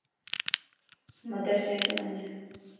مدرسيت وڃ